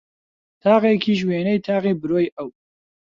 تاقێکیش وێنەی تاقی برۆی ئەو